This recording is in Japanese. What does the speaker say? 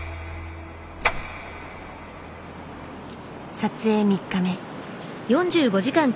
撮影３日目。